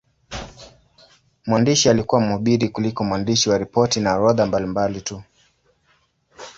Mwandishi alikuwa mhubiri kuliko mwandishi wa ripoti na orodha mbalimbali tu.